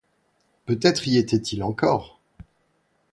Peut-être y étaient-ils encore?